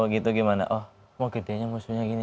gitu gimana oh mau gedenya mau